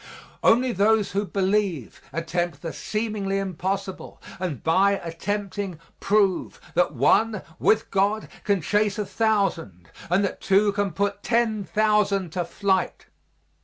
Only those who believe attempt the seemingly impossible, and, by attempting, prove that one, with God, can chase a thousand and that two can put ten thousand to flight.